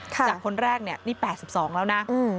จากคนแรกเนี่ยนี่๘๒แล้วนะ